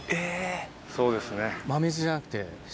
そうですね。